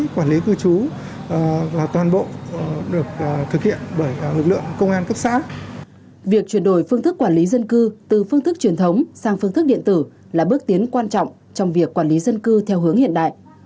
việc chuyển đổi phương thức quản lý dân cư từ phương thức truyền thống sang phương thức điện tử là bước tiến quan trọng trong việc quản lý dân cư theo hướng hiện đại